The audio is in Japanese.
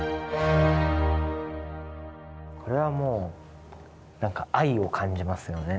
これはもうなんか愛を感じますよね。